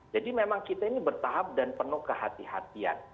jadi memang kita ini bertahap dan penuh kehatian